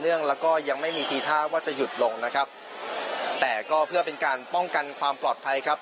เรื่องแล้วก็ยังไม่มีทีท่าว่าจะหยุดลงนะครับแต่ก็เพื่อเป็นการป้องกันความปลอดภัยครับ